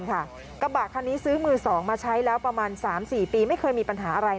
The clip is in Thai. กระบะคันนี้ซื้อมือ๒มาใช้แล้วประมาณ๓๔ปีไม่เคยมีปัญหาอะไร